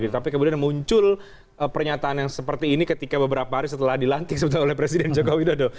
tapi kemudian muncul pernyataan yang seperti ini ketika beberapa hari setelah dilantik oleh presiden joko widodo